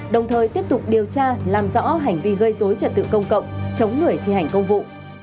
đồng thời tiếp tục điều tra làm rõ hành vi gây dối trật tự công cộng chống người thi hành công vụ